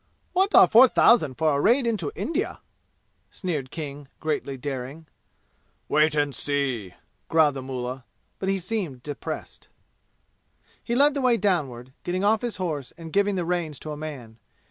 "What are four thousand for a raid into India?" sneered King, greatly daring. "Wait and see!" growled the mullah; but he seemed depressed. He led the way downward, getting off his horse and giving the reins to a man.